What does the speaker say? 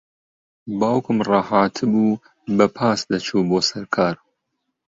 باوکم ڕاھاتبوو بە پاس دەچوو بۆ سەر کار.